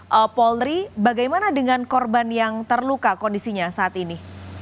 pak polri bagaimana dengan korban yang terluka kondisinya saat ini